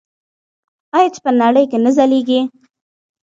آیا چې په نړۍ کې نه ځلیږي؟